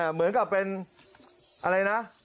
เหมือนกับเป็นอะไรนะ